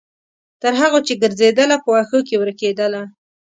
تر هغو چې ګرځیدله، په وښو کې ورکیدله